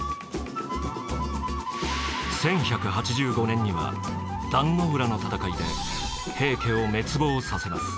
１１８５年には壇ノ浦の戦いで平家を滅亡させます。